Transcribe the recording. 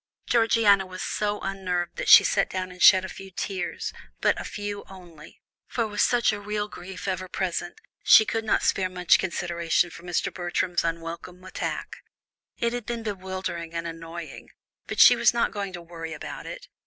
Georgiana was so unnerved that she sat down and shed a few tears, but a few only, for with such a real grief ever present, she could not spare much consideration for Mr. Bertram's unwelcome attack. It had been bewildering and annoying, but she was not going to worry about it.